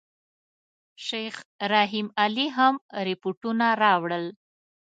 شیخ رحیم علي هم رپوټونه راوړل.